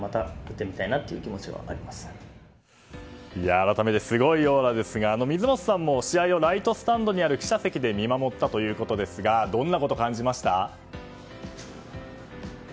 改めて、すごいようですが水本さんも試合をライトスタンドにある記者席で見守ったということですがどんなことを感じました？